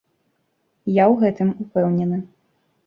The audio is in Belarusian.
Я ў гэтым упэўнены.